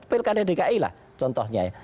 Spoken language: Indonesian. pilkada dki lah contohnya ya